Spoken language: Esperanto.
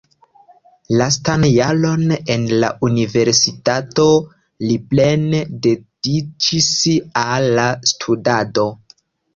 Lastan jaron en la universitato li plene dediĉis al la studado.